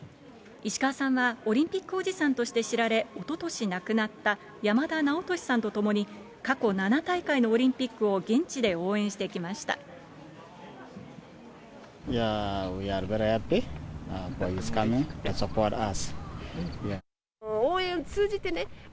石川さんは、オリンピックおじさんとして知られ、おととし亡くなった山田直稔さんと共に、過去７大会のオリンピックを現地で応援してきました。